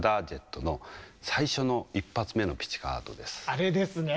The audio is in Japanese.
あれですね。